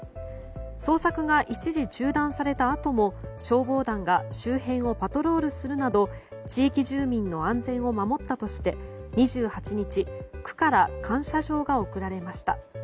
捜索が一時中断されたあとも消防団が周辺をパトロールするなど地域住民の安全を守ったとして２８日区から感謝状が贈られました。